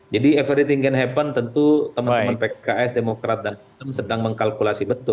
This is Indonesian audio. jadi everything can happen tentu teman teman pks demokrat dan islam sedang mengkalkulasi betul